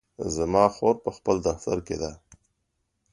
زما خور په خپل دفتر کې ده